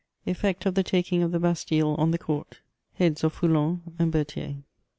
EFFECT OF THE TAKING OF THE BASTILLE ON THE COUBT — HEADS OF FOU< LON AND BEBTHIEB.